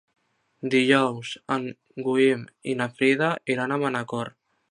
Dijous en Guim i na Frida iran a Manacor.